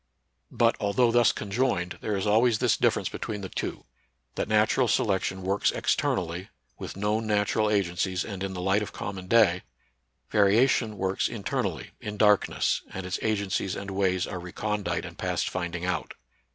But, although thus conjoined, there is always this difference between the two, that natural selection works externally, with known natural agencies, and in the light of common day ; variation works in ternally, in darkness, and its agencies and ways are recondite and past finding out.